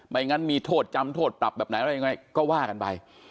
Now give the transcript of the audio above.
งั้นมีโทษจำโทษปรับแบบไหนอะไรยังไงก็ว่ากันไป